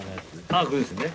ああこれですね。